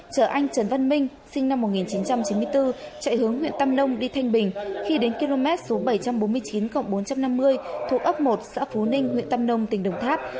chở anh trần văn minh sinh năm một nghìn chín trăm chín mươi bốn chạy hướng huyện tam nông đi thanh bình khi đến km số bảy trăm bốn mươi chín bốn trăm năm mươi thuộc ấp một xã phú ninh huyện tam nông tỉnh đồng tháp